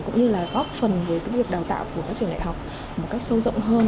cũng như là góp phần với việc đào tạo của các trường đại học một cách sâu rộng hơn